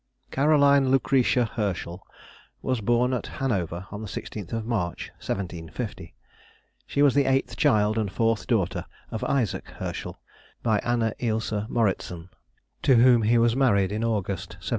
CAROLINE LUCRETIA HERSCHEL was born at Hanover on the 16th of March, 1750. She was the eighth child and fourth daughter of Isaac Herschel, by Anna Ilse Moritzen, to whom he was married in August, 1732.